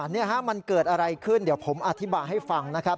นี่ฮะมันเกิดอะไรขึ้นเดี๋ยวผมอธิบายให้ฟังนะครับ